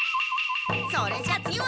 それじゃあ次は！